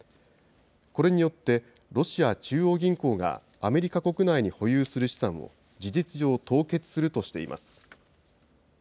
これによって、ロシア中央銀行がアメリカ国内に保有する資産を事実上凍結するとしています。